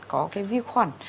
có cái vi khuẩn